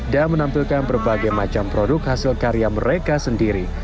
dan menampilkan berbagai macam produk hasil karya mereka sendiri